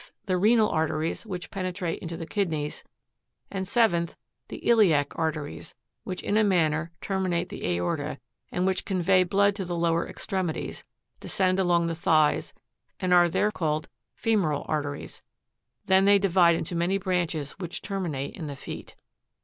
6th. The renal arteries which penetrate into the kidneys ; 32. And 7th. The iliac arteries, which in a manner terminate the aorta, and which convey blood to the lower extremities, descend along the thighs and are there called femoral arteries; then they divide into many branches which terminate in the feet.